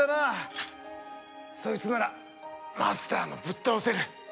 そいつならマスターもぶっ倒せる。